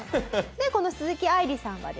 この鈴木愛理さんはですね